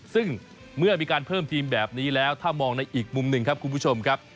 ซึ่งเมื่อมีการเพิ่มทีมแบบนี้แล้วถ้ามองในอีกมุมหนึ่งครับคุณผู้ชมครับ